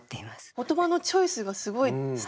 言葉のチョイスがすごいすてきですね。